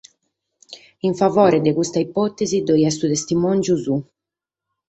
In favore de custa ipòtesi ddo’est su testimòngiu suo.